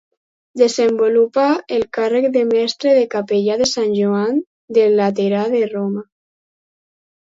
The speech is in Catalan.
Desenvolupà el càrrec de mestre de capella de Sant Joan del Laterà de Roma.